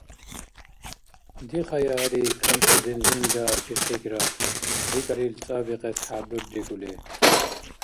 — Дихая гьари, камси бензинра пирхикӀра, — рикӀар ил цӀабикьес хӀядуррикӀули.